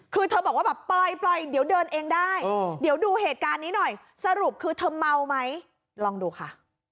คือเธอบอกว่าแบบปล่อยเดี๋ยวเดินเองได้เดี๋ยวดูเหตุการณ์นี้หน่อยสรุปคือเธอเมาไหมลองดูค่ะ